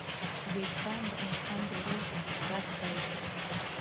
وجدان د انسان د روح غږ دی.